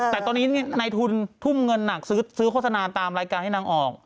แต่ตอนนี้ในทุนทุ่มเงินหนักซื้อโฆษณาตามรายการให้นางออก